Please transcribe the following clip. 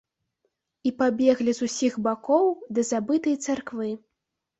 І пабеглі з усіх бакоў да забытай царквы.